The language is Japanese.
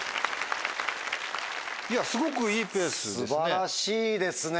すごくいいペースですね。